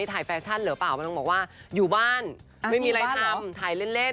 มันถ่ายแฟชั่นเหรอเปล่ามันต้องบอกว่าอยู่บ้านไม่มีอะไรทำถ่ายเล่น